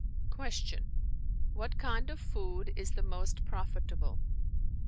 Q "What kind of food is the most profitable?"